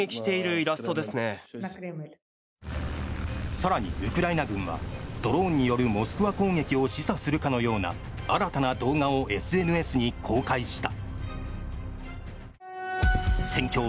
更に、ウクライナ軍はドローンによるモスクワ攻撃を示唆するかのような新たな動画をＳＮＳに公開した。